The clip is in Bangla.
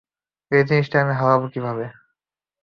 এই জিনিসটাকে হারাব কীভাবে?